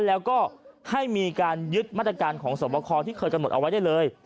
แล้วก็ให้มีการยึดมาตรการของสวบคอที่เคยกำหนดเอาไว้ได้เลย